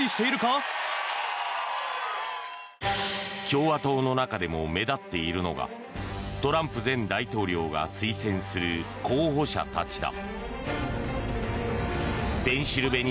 共和党の中でも目立っているのがトランプ前大統領が推薦する候補者たちだ。